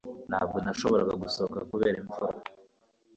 ntabwo nashoboraga gusohoka kubera imvura